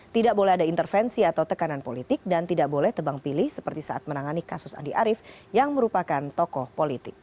tidak boleh ada intervensi atau tekanan politik dan tidak boleh tebang pilih seperti saat menangani kasus andi arief yang merupakan tokoh politik